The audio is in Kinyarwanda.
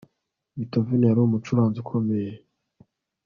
Beethoven yari umucuranzi ukomeye